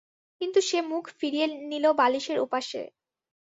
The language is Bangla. কিন্তু সে মুখ ফিরিয়ে নিল বালিশের ওপাশে।